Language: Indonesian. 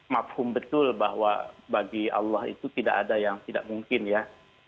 makhum betul bahwa bagi allah itu tidak ada yang tidak mungkin ya